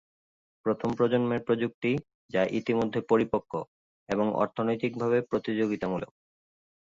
প্রথম প্রজন্মের প্রযুক্তি, যা ইতিমধ্যে পরিপক্ব এবং অর্থনৈতিকভাবে প্রতিযোগিতামূলক।